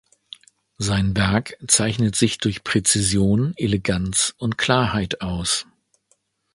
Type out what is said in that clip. Sein Werk zeichnet sich durch Präzision, Eleganz und Klarheit aus.